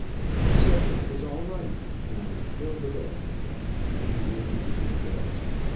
He said that was all right, and I would fill the bill. Then he went into details.